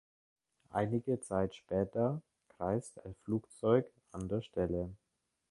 Einige Zeit später kreist ein Flugzeug an der Stelle.